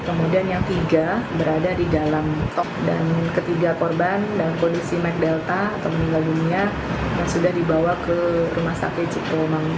kemudian yang tiga berada di dalam tok dan ketiga korban dalam kondisi med delta atau meninggal dunia yang sudah dibawa ke rumah sakit ciplomangun